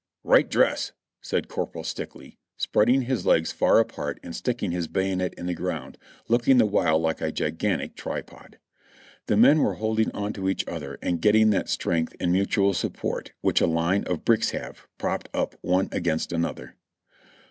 "Right dress!" said Corporal Stickly, spreading his legs far apart and sticking his bayonet in the ground, looking the while like a gigantic tripod. The men were holding on to each other and getting that strength and mutual support which a line of bricks have, propped up one against another.